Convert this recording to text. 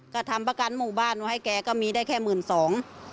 ก็ทำประกันหมู่บ้านไว้ให้แกก็มีได้แค่หมื่นสอง